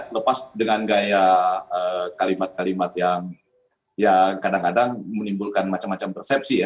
lepas dengan gaya kalimat kalimat yang ya kadang kadang menimbulkan macam macam persepsi ya